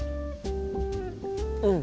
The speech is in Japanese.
うん！